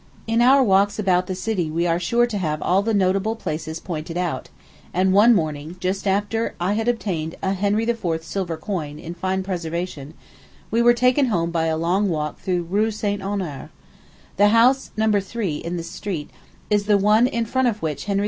In our walks about the city we are sure to have all the notable places pointed out; and one morning, just after I had obtained a Henry IV. silver coin, in fine preservation, we were taken home by a long walk through the Rue St. Honore. The house No. 3, in this street, is the one in front of which Henry IV.